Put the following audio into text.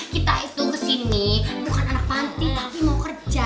kita itu kesini bukan anak panti tapi mau kerja